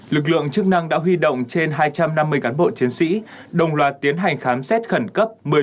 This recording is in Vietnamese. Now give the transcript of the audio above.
lực lượng chức năng đã huy động trên hai trăm năm mươi cán bộ chiến sĩ đồng loạt tiến hành khám xét khẩn cấp